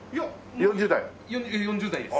４０代です。